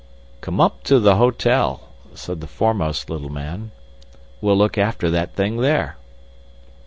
"Come up to the hotel," said the foremost little man. "We'll look after that thing there."